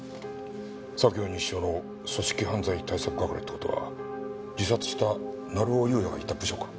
左京西署の組織犯罪対策係って事は自殺した成尾優也がいた部署か。